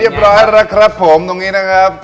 ร้อยแล้วครับผมตรงนี้นะครับ